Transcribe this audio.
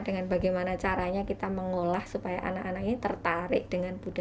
dengan bagaimana caranya kita mengolah supaya anak anak ini tertarik dengan budaya